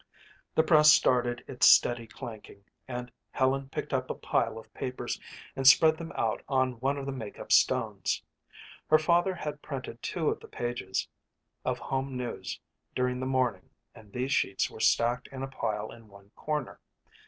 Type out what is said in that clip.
The press started its steady clanking and Helen picked up a pile of papers and spread them out on one of the makeup stones. Her father had printed two of the pages of home news during the morning and these sheets were stacked in a pile in one corner.